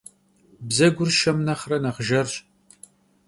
Bzegur şşem nexhre nexh jjerş.